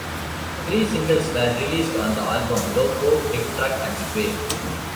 Three singles were released on the album: "Loco", "Big Truck", and "Sway".